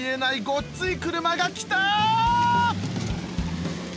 ごっつい車が来た！